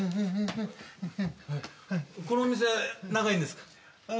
このお店長いんですか？